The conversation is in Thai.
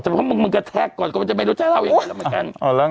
แต่เพราะมึงมึงกระแทกก่อนก็ก็จะไม่รู้จะเล่าอย่างไรนะ